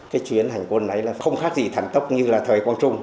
cái chuyến hành quân đấy là không khác gì thẳng tốc như là thời quang trung